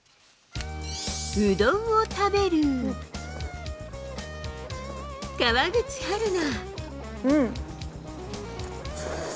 うどんを食べる川口春奈。